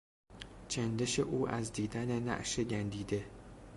چندش او از دیدن نعش گندیده